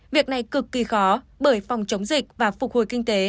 việc này cực kỳ khó bởi phòng chống dịch và phục hồi kinh tế